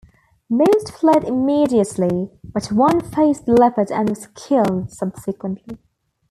Most fled immediately but one faced the leopard and was killed subsequently.